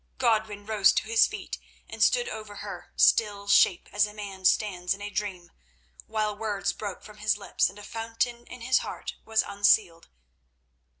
Godwin rose to his feet and stood over her still shape as a man stands in a dream, while words broke from his lips and a fountain in his heart was unsealed.